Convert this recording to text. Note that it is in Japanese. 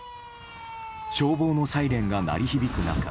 消防のサイレンが鳴り響く中